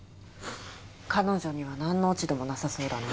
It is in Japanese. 彼女にはなんの落ち度もなさそうだね。